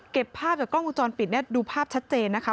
ภาพจากกล้องวงจรปิดดูภาพชัดเจนนะคะ